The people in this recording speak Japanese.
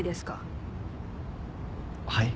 はい？